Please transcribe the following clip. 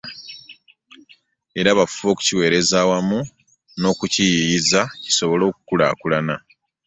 Era bafube okukiweereza awamu n'okukiyiiyiza, kisobole okukulaakulana.